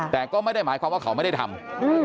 แต่ก็ไม่ได้หมายความว่าเขาไม่ได้ทำ